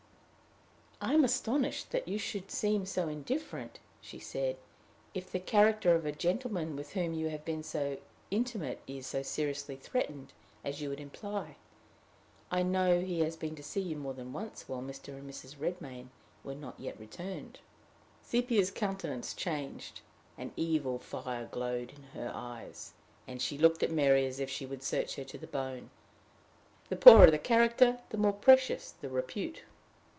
"I am astonished you should seem so indifferent," she said, "if the character of a gentleman with whom you have been so intimate is so seriously threatened as you would imply. I know he has been to see you more than once while Mr. and Mrs. Redmain were not yet returned." Sepia's countenance changed; an evil fire glowed in her eyes, and she looked at Mary as if she would search her to the bone. The poorer the character, the more precious the repute!